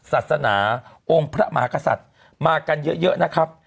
ศาสนาองค์พระมหากษัตริย์มากันเยอะนะครับ